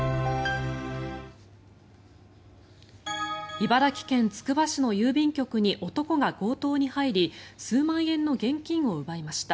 茨城県つくば市の郵便局に男が強盗に入り数万円の現金を奪いました。